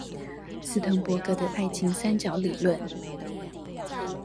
斯騰伯格的愛情三角理論